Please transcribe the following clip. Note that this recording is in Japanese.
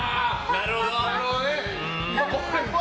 なるほどね！